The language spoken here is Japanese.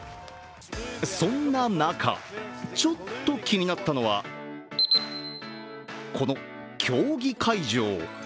そんな中、ちょっと気になったのはこの競技会場。